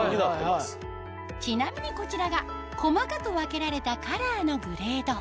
ちなみにこちらが細かく分けられたカラーのグレード